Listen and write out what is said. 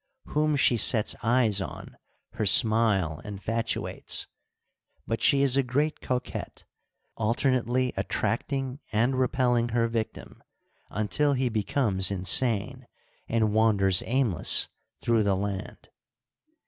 Whom she sets eyes on her smile infatuates ; but she is a great coquette, alternately attract ing and repelling her victim until he becomes insane and wanders aimless through the land.